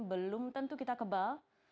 belum tentu kita kebal